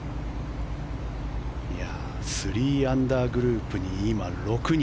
３アンダーグループに今６人。